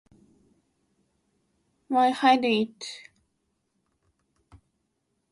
Why hide it?